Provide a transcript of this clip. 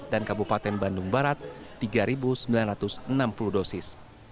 dan kabupaten bandung barat tiga sembilan ratus enam puluh dosis